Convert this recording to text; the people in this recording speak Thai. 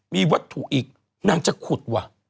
มีวัตถุอีกนางจะขุดว่ะ